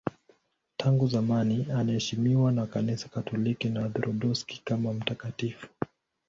Tangu zamani anaheshimiwa na Kanisa Katoliki na Waorthodoksi kama mtakatifu.